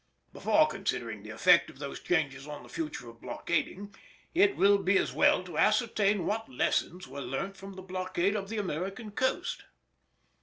Before considering the effect of these changes on the future of blockading, it will be as well to ascertain what lessons were learnt from the blockade of the American coast.